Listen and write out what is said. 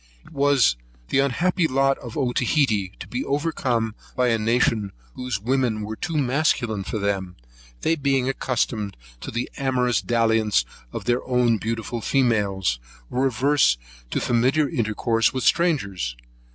It was the unhappy lot of Otaheite to be overcome by a nation whose women were too masculine for them; they being accustomed to the amorous dalliance of their own beautiful females, were averse to familiar intercourse with strangers.